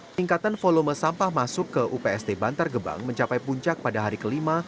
peningkatan volume sampah masuk ke upst bantar gebang mencapai puncak pada hari kelima